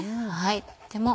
とっても。